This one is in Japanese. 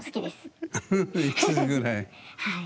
はい。